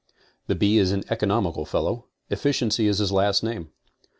The bee is an economical "fellow." Efficiency is his last name.